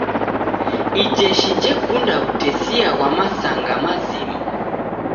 Ijeshi jekunda w'utesia ghwa masanga mazima.